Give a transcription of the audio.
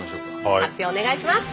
発表お願いします！